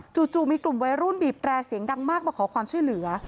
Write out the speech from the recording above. จู่มีกลุ่มวัยรุ่นบีบแร่เสียงดังมากมาขอความช่วยเหลือ